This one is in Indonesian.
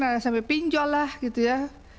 ada sampai pinjol lah gitu ya